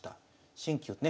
新旧ね